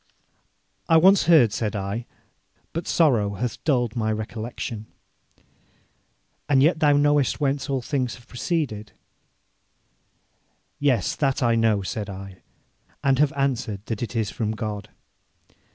'I once heard,' said I, 'but sorrow hath dulled my recollection.' 'And yet thou knowest whence all things have proceeded.' 'Yes, that I know,' said I, 'and have answered that it is from God.'